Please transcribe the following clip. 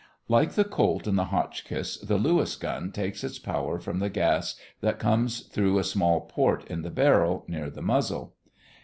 Like the Colt and the Hotchkiss, the Lewis gun takes its power from the gas that comes through a small port in the barrel, near the muzzle.